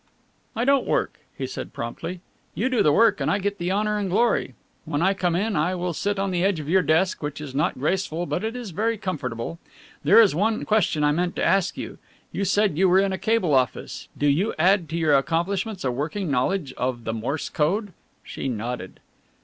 "I don't work," he said promptly, "you do the work and I get the honour and glory. When I come in I will sit on the edge of your desk, which is not graceful but it is very comfortable. There is one question I meant to ask you. You said you were in a cable office do you add to your accomplishments a working knowledge of the Morse Code?" She nodded.